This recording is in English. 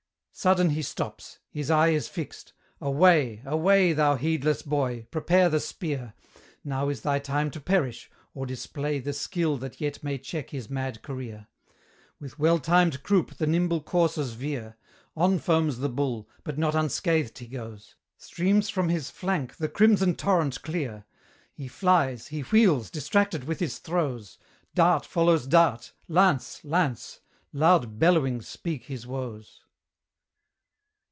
Sudden he stops; his eye is fixed: away, Away, thou heedless boy! prepare the spear; Now is thy time to perish, or display The skill that yet may check his mad career. With well timed croupe the nimble coursers veer; On foams the bull, but not unscathed he goes; Streams from his flank the crimson torrent clear: He flies, he wheels, distracted with his throes: Dart follows dart; lance, lance; loud bellowings speak his woes.